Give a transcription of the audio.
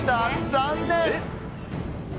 残念！